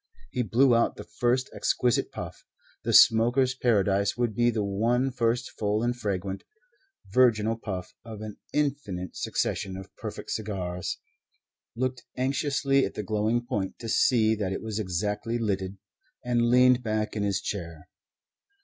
He blew out the first exquisite puff the smoker's paradise would be the one first full and fragrant, virginal puff of an infinite succession of perfect cigars looked anxiously at the glowing point to see that it was exactly lighted, and leaned back in his chair.